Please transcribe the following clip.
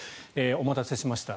お待たせいたしました。